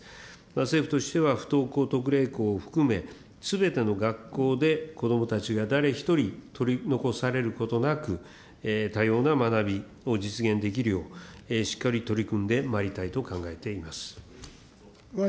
政府としては、不登校特例校を含め、すべての学校で子どもたちが誰一人取り残されることなく、多様な学びを実現できるよう、しっかり取り組んでまいりたいと考えています。